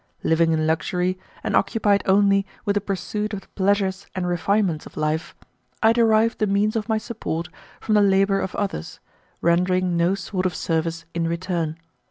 Living in luxury, and occupied only with the pursuit of the pleasures and refinements of life, I derived the means of my support from the labor of others, rendering no sort of service in return.